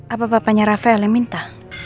apa bapaknya rafael yang minta